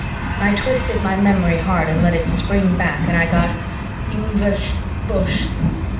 I twisted my memory hard and let it spring back and I got "Inversh ... bosh